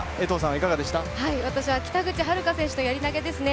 私は北口榛花選手のやり投ですね。